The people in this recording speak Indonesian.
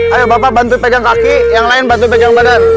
ayo bapak bantu pegang kaki yang lain bantu pegang badan